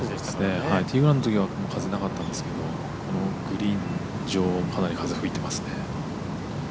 ティーグラウンドの時は風、なかったんですけどこのグリーン上かなり風、吹いてますね。